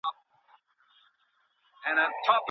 که سوالګر راټول او مرسته ورسره وسي، نو د ښار منظره نه خرابیږي.